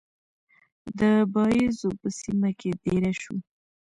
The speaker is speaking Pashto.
د باییزو په سیمه کې دېره شو.